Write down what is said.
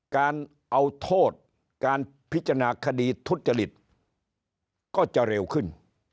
การเอาโทษการพิจารณาคดีทุจริตก็จะเร็วขึ้น